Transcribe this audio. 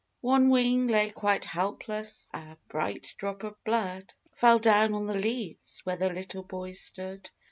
One wing lay quite helpless ; a bright drop of blood Fell down on the leaves where the little boys stood.